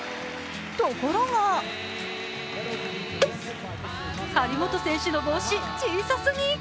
ところが、張本選手の帽子、小さすぎ。